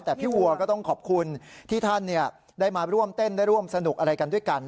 แต่พี่วัวก็ต้องขอบคุณที่ท่านได้มาร่วมเต้นได้ร่วมสนุกอะไรกันด้วยกัน